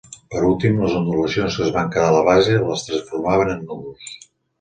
Per últim, les ondulacions que es van quedar a la base, les transformaven en núvols.